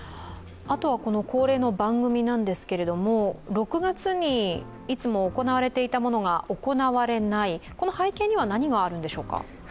恒例の番組なんですけれども、６月にいつも行われていたものが行われない、この背景には何があるんでしょうか。